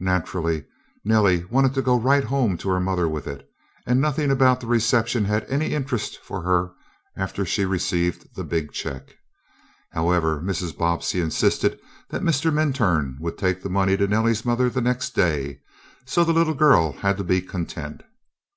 Naturally Nellie wanted to go right home to her mother with it, and nothing about the reception had any interest for her after she received the big check. However, Mrs. Bobbsey insisted that Mr. Minturn would take the money to Nellie's mother the next day, so the little girl had to be content.